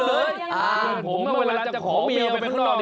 เพื่อนผมเวลาพวกจะขอมีเอากันข้างนอก